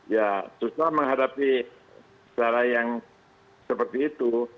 ya susah menghadapi cara yang seperti itu